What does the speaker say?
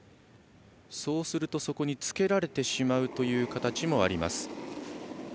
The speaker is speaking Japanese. そうするとそこにつけられてしまうという形もあります。